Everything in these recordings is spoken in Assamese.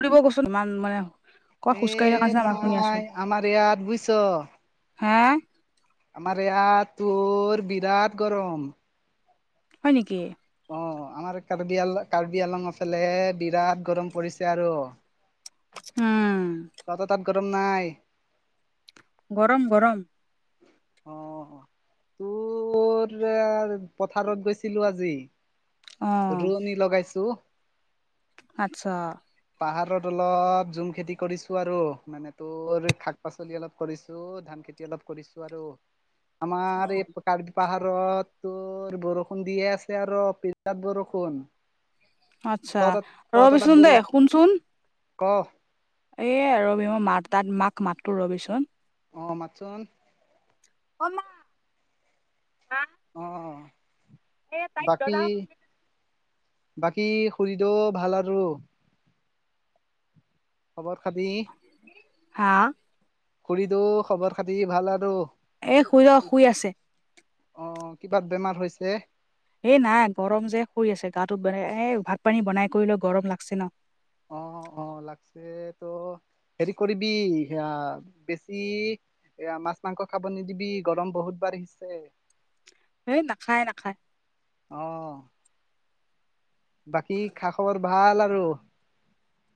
ফুৰিব কৈচোন ইমান মানে। ক'ত খোজকাঢ়ি এ থকা নাই নিচিনা আমাৰ ইয়াত বুজিছ। হে? আমাৰ ইয়াত তোৰ বিৰাট গৰম। হয় নেকি? অ আমাৰ কাৰ্বি আল কাৰ্বি আলং এফালে বিৰাট গৰম পৰিছে আৰু- উম। তহঁতৰ তাত গৰম নাই? গৰম গৰম। আহ। তোৰ পথাৰত গৈছিলো আজি। অ ৰুণী লগাইছো। আচ্ছা। পাহাৰত অলপ জুম খেতি কৰিছো আৰু মানে তোৰ শাক পাচলি অলপ কৰিছো ধান- খেতি অলপ কৰিছো আৰু, আমাৰ এই কাৰ- পাহাৰত তোৰ বৰষুণ দিয়ে আছে আৰু বিৰাট বৰষুণ। আচ্ছা তহঁতৰ তহঁতৰ তাত ৰবিচোন বৰো দে, শুনচোন? ক এ ৰবি মই মাত তাত মাক মাতো ৰবিচোন। অ মাতচোন। অ মা। মা অ এ তাইক বাকী দৰ্জা বাকী খুৰীডও ভাল আৰু। খবৰ খাতি। হাঁ। খুৰীডৌ খবৰ খাতি ভাল আৰু। এ খুৰীদৌ শুই আছে। অঁ কিবা বেমাৰ হৈছে। এই নাই গৰম যে শুই আছে গাটোত মানে এ ভাত পানী বনাই কৰি লৈ গৰম লাগছে ন। অঁ অঁ লাগছে তো হেৰি কৰিবি সেয়া বেছি- এয়া মাছ মাংস খাব নিদিবি গৰম বহুত বাৰহিছে। এই নাখায় নাখায়। অঁ। বাকী খা খবৰ ভাল আৰু।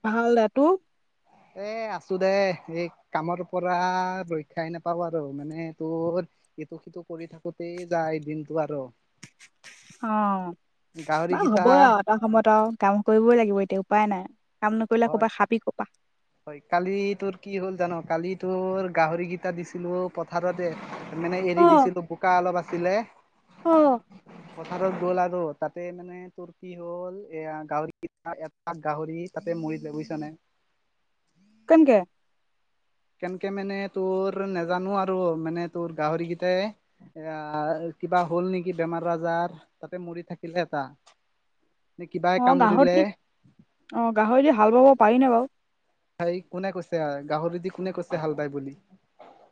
ভাল দে তো। এ আছো দে এই কামৰ পৰা ৰক্ষাই নাপাও আৰু মানে তোৰ- ইটো সিটো কৰি থাকোতেই যায় দিনটো আৰু। অঁ গাহৰি বা কেইটা হ'বই আৰু এটা সময়ত আৰু কাম কৰিবই লাগিব এতিয়া উপায় নাই। কাম কৰিললে কপা হয় খাবি কপা। হয় কালি তোৰ কি হ'ল জান কালি তোৰ গাহৰিগিটা দিছিলো পথাৰতে- মানে অ এৰি দিছিলো বোকা অলপ আছিলে। [unintelligible] পথাৰত গ'ল আৰু তাতে মানে তোৰ কি হ'ল এয়া গাহৰিগিতা- তাক গাহৰি তাতে মৰিলে বুইছ নাই। কেনকে? কেনেকে মানে তোৰ নাজানো আৰু মানে তোৰ গাহৰিগিটাই- এয়া কিবা হ'ল নেকি বেমাৰ আজাৰ তাতে মৰি থাকিলে এটা। নে কিবাই অঁ কামুৰিলে গাহৰি অঁ গাহৰি দি হাল বাব পাৰি নে বাৰু। হেই কোনে কৈছে গাহৰিদি কোনে কৈছে হাল ভাই বুলি।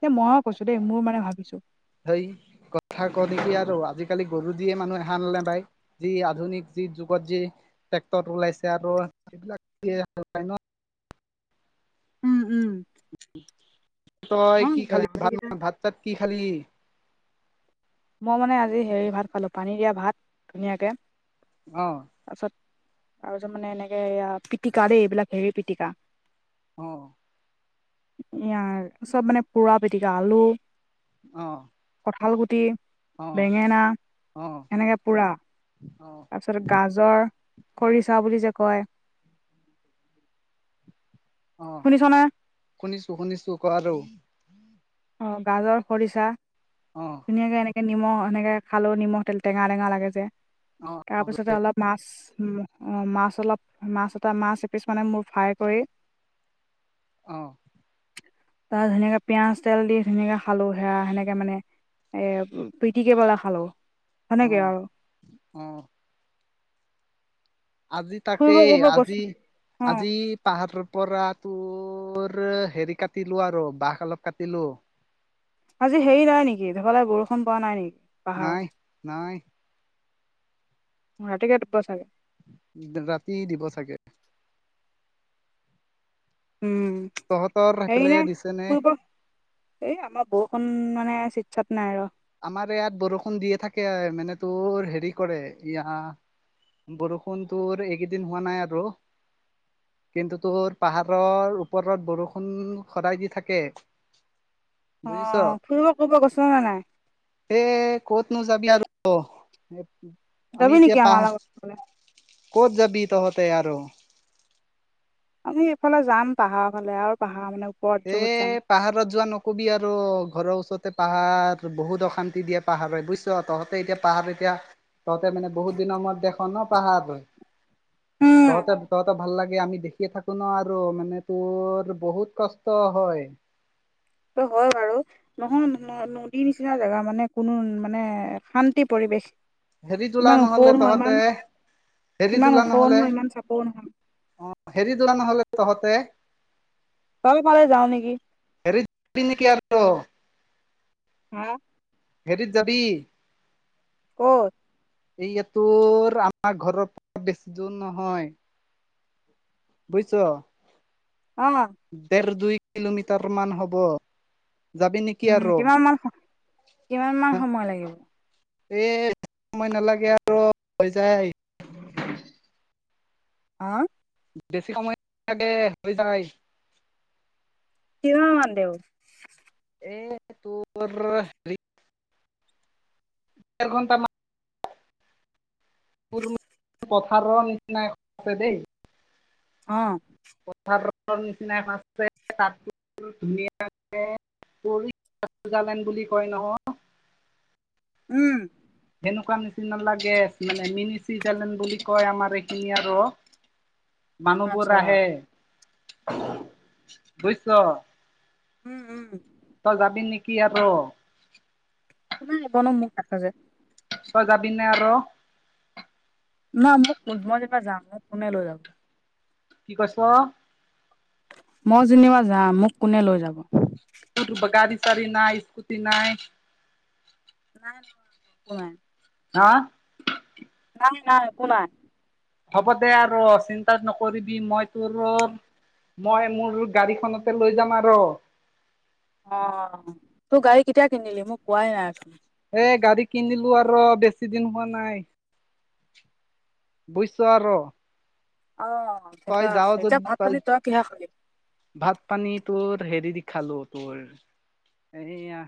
এ ময় কৈছো দেই মোৰ মানে ভাবিছো। সেই কথা ক দে কি আৰু আজিকালি গৰু দিয়ে মানুহে হাল নেবাই। যি আধুনিক যি যুগত যি টেক্টৰ ওলাইছে আৰু সেবিলাক দিয়ে হাল বাই ন। উম উম তই হয় কি নেকি খালি গাহৰি ভাত ম কেইটা ভাত তাত কি খালি। মই মানে আজি হেৰি ভাত খালো পানী দিয়া ভাত ধুনীয়াকে। অঁ। তাছত আৰুছ মানে এনেকে এয়া পিটকা দেই এইবিলাক হেৰি পিটকা। অঁ' ইঁয়াৰ চব মানে পোৰা পিতিকা আলু- অঁ' কঁঠাল গুটি- অঁ বেঙেনা অঁ অঁ। তাৰপিছতে গাজৰ খৰিচা বুলি যে কয়। অ শুনিছ না। শুনিছো শুনিছো ক আৰু। অঁ গাজৰ খৰিচা। অঁ। ধুনীয়াকে এনেকে নিম এনেকে খালো নিমখ তে টেঙা টেঙা লাগে যে, অ', তাৰপিছতে অলপ মাছ উম অ মাছ অলপ মাছ এটা মাছ এপিছ মানে মোৰ ফ্ৰাই কৰি অ', তাৰ ধুনীয়াকে পিয়াজ, তেল দি ধুনীয়াকে খালো সেয়া সেনেকে মানে এ পিটিকে পেলাই খালো। সেনেকে অ', আৰু। অ আজি ফুৰিব তাকেই কৰিব গৈছ আজি, অ আজি পাহাৰ পৰা তোৰ হেৰি কাটিলো আৰু বাঁহ অলপ কাটিলো। আজি হেৰি নাই নেকি ধকালে বৰষুণ পৰা নাই নেকি পাহাৰত নাই নাই ৰাতিকে দিব চাগে ৰাতি দিব চাগে উম তহঁতৰ সেইফালে হেৰি এনে দিছে নে? [unintelligible] এই আমাৰ বৰষুণ মানে চিত চাত নাই আৰু। আমাৰ ইয়াত বৰষুণ দিয়ে থাকে মানে তোৰ হেৰি কৰে ইয়া বৰষুণ তোৰ এইকেইদিন হোৱা নাই আৰু। কিন্তু তোৰ পাহাৰৰ ওপৰত বৰষুণ সদায় দি থাকে। অ বুজিছ। ফুৰিব কৰিব গৈছ নে নাই? এ ক'তনো যাবি আৰু যাবি আমি নেকি এতিয়া আমাৰ পাহ লগত ক'ত যাবি তহঁতে আৰু? আমি এইফালে যাম পাহাৰ ফালে আৰু পাহাৰ মানে ওপৰত এ য'ত যাম পাহাৰত যোৱা নকবি আৰু ঘৰৰ ওচৰতে পাহাৰ বহুত অশান্তি দিয়ে পাহাৰে বুইছ- ছ তহঁতে এতিয়া পাহাৰ এতিয়া তহঁতে মানে বহুত দিনৰ মূৰত দেখ ন পাহাৰ উম তহঁতে তহঁতে ভাল লাগে আমি দেখিয়ে থাকো ন আৰু মানে তোৰ বহুত কষ্ট ত হয় ত হয় বাৰু নহয় ন নদীৰ নিচিনা জেগা মানে কোনো মানে শান্তি পৰিৱেশ হেৰি তোলা ইমান ওখও নহলে নহয় তহঁতে ইমান হেৰি ইমান তোলা ওখও নহলে নহয় ইমান চাপৰো নহয় অ হেৰি যোৱা নহ'লে তহঁতে [unintelligible] ফালে যাওঁ নেকি হেৰিত পিনি কি আৰ ত হা হেৰিত যাবি ক'ত এইয়াতোৰ আমাৰ ঘৰৰ পৰা বেছি দূৰ নহয়। বুইছ অ দেৰ দুই কিলোমিটাৰ মান হ'ব যাবি নেকি উম আৰু কিমান মান স কিমান মান সময় লাগিব? এ বেছি সময় নালাগে আৰু হৈ যায়। আ বছি সময় নালাগে হৈ যায়। কিমান মান দেও এই তোৰ হেৰি ডেৰ ঘণ্টা মান পথাৰৰ নিচিনা এখন আছে দেই অঁ। পথাৰৰ নিচিনা আছে তাত ধুনীয়াকে মিনি চুইজাৰেলেণ্ড বুলি কয় নহয়। উম। এনেকুৱা নিচিনা লাগে মানে মিনি ছুইজাৰলেণ্ড বুলি কয় আমাৰ এইখিনি আৰু। [inaudible] মানুহবোৰ আহে, বুজিছ? উম, উম। তই যাবি নেকি আৰু? নাই এইকনো মোক ধাকা যায়। তই যাবি নে আৰু? নাই মোক মই যেনিবা যাম, মোক কোনে লৈ যাব? কি কৈছ? মই যেনিবা যাম, মোক কোনে লৈ যাব? গাড়ী চাৰী নাই স্কুটি নাই? নাই নহয় একো নাই। হা? নাই নাই, একো নাই। হ'ব দে আৰু চিন্তা নকৰিবি মই তোক মই মোৰ গাড়ীখনতে লৈ যাম আৰু। অ', তোৰ গাড়ী কেতিয়া কিনিলি? মোক কোৱাই নাই চোন। এ গাড়ী কিনিলো আৰু বেছি দিন হোৱা নাই। বুজিছ আৰু? অঁ, তই সেইখন যাৱ আছে, এতিয়া যদি ভাত-পানী তই কিহে খালি? ভাত পানী তোৰ হেৰি দি খালো তোৰ এয়া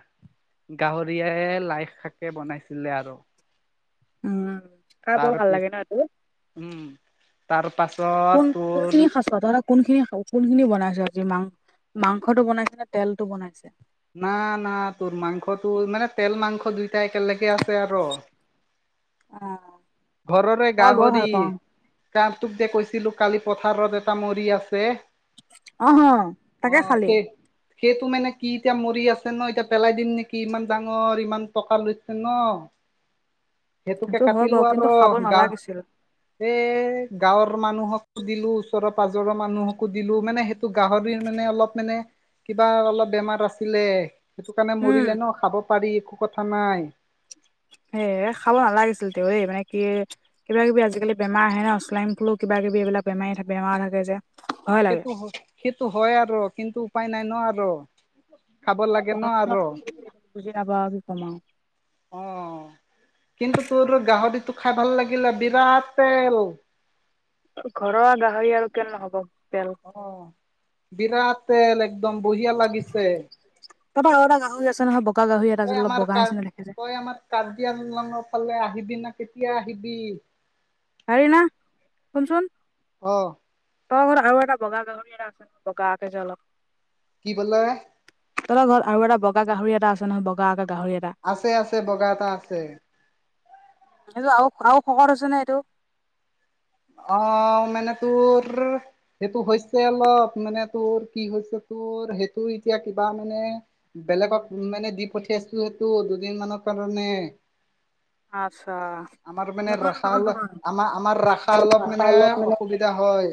গাহৰিয়ে লাইশাকে বনাইছিলে আৰু। উম। খাই বৰ তাৰ ভাল পিছ লাগে ন' এইটো, উম তাৰ পাছত কোন তোৰ কোনখিনি খাইছ তহঁতৰ তাত কোনখিনি খাও কোনখিনি বনাইছে আজি মাং মাংসটো বনাইছে নে তেলটো বনাইছে? না না তোৰ মাংসটো মানে তেল মাংস দুইটাই একেলগে আছে আৰু। অ'। ঘৰৰে মই বৰ গাহৰি। ভাল পাওঁ তোক যে কৈছিলো কালি পথাৰত এটা মৰি আছে। অহ তাকে অঁ, খালি সে সেইটো মানে কি এতিয়া মৰি আছে ন' এতিয়া পেলাই দিম নেকি ইমান ডাঙৰ ইমান টকা লৈছে ন'। [inaudible] সেইটোকে হয় বাৰু কাটিলো কিন্তু আৰু খাব গা নালাগিছিল এ গাঁৱৰ মানুহকো দিলো ওচৰৰ পাজৰৰ মানুহকো দিলো মানে সেই টো গাহৰিৰ মানে অলপ মানে কিবা অলপ বেমাৰ আছিলে। সেইটো কাৰণে উম মৰিলে ন' খাব পাৰি একো কথা নাই। সেয়ে খাব নালাগিছিল তেওঁয়ে এই মানে কি কিবাকিবি আজিকালি বেমাৰ আহে ন' ছোৱাইন ফ্লু, কিবা কিবি এইবিলাক বেমাৰী বেমাৰ থাকে যে। ভয় লাগে সেইটো সেইটো হয় আৰু কিন্তু উপায় নাই ন' আৰু। খাব লাগে ন আৰু [unintelligible] বুজি নেপাল কি কম আও। অ', কিন্তু তোৰ গাহৰিটো খাই ভাল লাগিলে বিৰাট তেল। ঘৰুৱা গাহৰি আৰু কেলে নহব তেল। অ, বিৰাট তেল একদম বঢ়িয়া লাগিছে। তাৰ পৰা আৰু এটা গাহৰি আছে নহয় বগা গাহৰি এটা আছিলে অলপ বগা নিচিনা দেখে যে। কৰ্বিআলং ফালে আহিবি না? কেতিয়া আহিবি? হেৰিনা শুনচোন। অ ত ঘৰত আৰু এটা বগা গাহৰি এটা আছে ন' বগা কে যে অলপ। কি কলে? তহলৰ ঘৰত আৰু এটা বগা গাহৰি এটা আছে নহয় বগা আকা গাহৰি এটা, আছে-আছে বগা এটা আছে। এটো আৰু খুৰাও শকৰ হৈছে নে এইটো অ, মানে তোৰ সেইটো হৈছে অলপ মানে তোৰ কি হৈছে তোৰ সেইটো এতিয়া কিবা মানে বেলেগক মানে দি পঠিয়াইছো সেইটো দুদিন মানৰ কাৰণে আচ্ছা আমাৰ মানে নহয় ৰাস নহয় আমাৰ-আমাৰ ৰাস, অলপ নহয় মানে অসুবিধা হয়।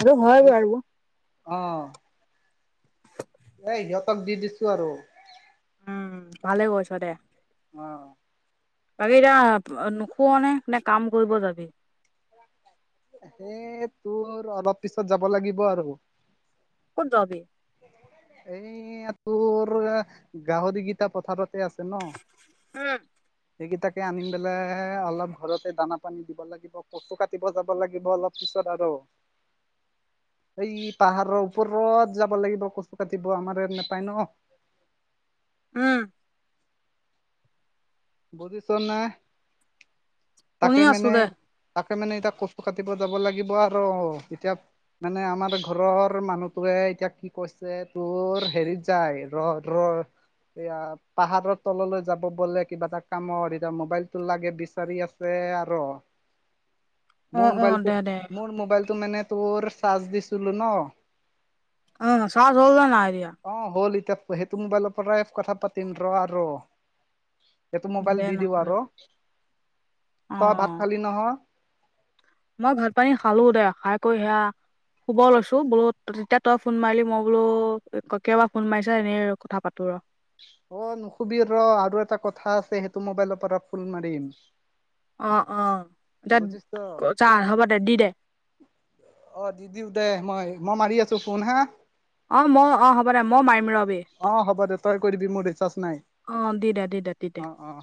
আৰু হয় বাৰু। অ', এ সিহঁতক দি দিছো আৰু। উম, ভালে কৈছ দে। অ বাকী এতিয়া নোখোৱা নে নে কাম কৰিব যাবি। হেই তোৰ অলপ পিছত যাব লাগিব আৰু। ক'ত যাবি? এই তোৰ গাহৰিকেইটা পথাৰতে আছে ন। উম সেইকেইটাকে আনিম পেলাই অলপ ঘৰতে দানা পানী দিব লাগিব কচু কাটিব যাব লাগিব অলপ। পিছত আৰু [inaudible] এই পাহাৰৰ ওপৰত যাব লাগিব কচু কাটিব আমাৰ ইয়াত নাপায় ন। উম, বুজিছ নাই শুনি তাকে আছো মানে, দে তাকে মানে এতিয়া কচুটো কাটিব যাব লাগিব আৰু এতিয়া। মানে আমাৰ ঘৰৰ মানুহটোৱে এতিয়া কি কৈছে তোৰ হেৰিত, যাই ৰ ৰ এয়া পাহাৰৰ তললৈ যাব বলে। কিবা এটা কামত এতিয়া মোবাইলটো লাগে বিচাৰি আছে আৰু। অ মোৰ অ মোবাইলটো দে দে মোৰ মোবাইলটো মানে তোৰ চাৰ্জ দিছিলো ন। অ, চাৰ্জ হ'ল নাই দিয়া? অ, হ'ল এতিয়া সেইটো মোবাইলৰ পৰাই কথা পাতিম ৰ আৰু। এইটো মোবাইল দে দি দিওঁ নহ'লে আৰু তই অ ভাত খালি নহয়। মই ভাত পানী খালো দে খাই কৰি সেয়া শুব লৈছো বোলো তেতিয়া তই ফোন মাৰিলি মই বোলো কিয়াবা ফোন মাৰিছা এনেই কথা পাতো ৰ। অ, নুখুবি ৰ আৰু এটা কথা আছে সেইটো মোবাইলৰ পৰা ফুল মাৰিম। অ, অ, বুজিছ ত? চাহ হ'ব দে দি দে। অ, দিদিও দে মই মই মাৰি আছো ফোন হা। অ মই অ হ'ব দে মই মাৰিম ৰবি অ হ'ব দে তই কৰিবি মোৰ ৰিচাৰ্জ নাই অ দি দে দি দে দি দে অ অ